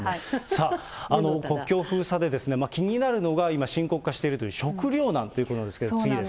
さあ、国境封鎖で気になるのが今、深刻化しているという食糧難ということなんですけど、次です。